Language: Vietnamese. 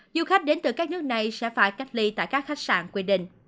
du khách đến từ các nước này sẽ phải cách ly tại các khách sạn quy định